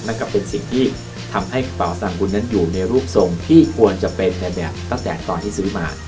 นั่นก็เป็นสิ่งที่ทำให้กระเป๋าสตางบุญนั้นอยู่ในรูปทรงที่ควรจะเป็นกันเนี่ยตั้งแต่ตอนที่ซื้อมา